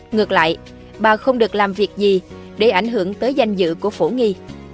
ngược lại bà không được làm việc gì để ảnh hưởng tới danh dự của phổ nghi